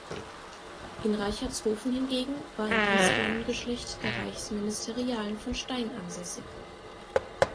In Reichertshofen hingegen war ein Dienstmannengeschlecht der Reichsministerialen von Stein ansässig.